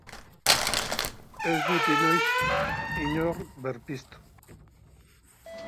Ez dut inoiz inor berpiztu!